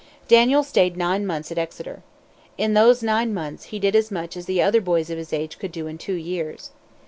Daniel stayed nine months at Exeter. In those nine months he did as much as the other boys of his age could do in two years.